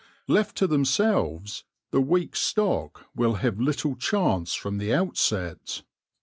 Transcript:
Left to themselves, the weak stock will have little chance from the outset.